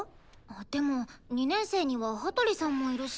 でも２年生には羽鳥さんもいるし。